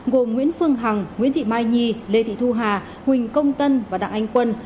gồm nguyễn phương hằng nguyễn thị mai nhi lê thị thu hà huỳnh công tân và đặng anh quân